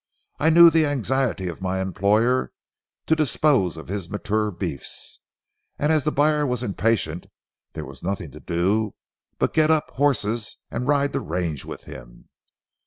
I knew the anxiety of my employer to dispose of his matured beeves, and as the buyer was impatient there was nothing to do but get up horses and ride the range with him.